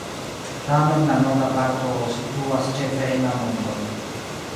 Tamen la norda parto situas ĉefe en la montoj.